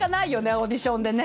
オーディションでね。